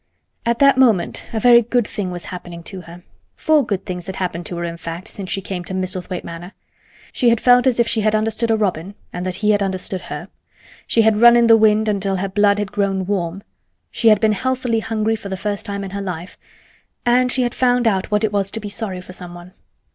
At that moment a very good thing was happening to her. Four good things had happened to her, in fact, since she came to Misselthwaite Manor. She had felt as if she had understood a robin and that he had understood her; she had run in the wind until her blood had grown warm; she had been healthily hungry for the first time in her life; and she had found out what it was to be sorry for someone.